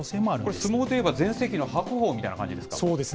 相撲で言えば全盛期のはくほうみたいな感じですか。